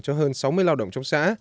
cho hơn sáu mươi lao động trong xã